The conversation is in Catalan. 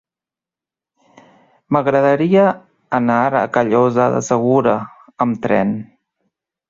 M'agradaria anar a Callosa de Segura amb tren.